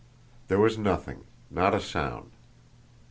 There was nothing not a sound.